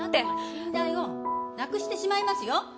信頼をなくしてしまいますよ。